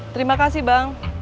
terima kasih bang